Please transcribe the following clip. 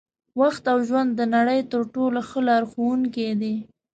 وخت او ژوند د نړۍ تر ټولو ښه لارښوونکي دي.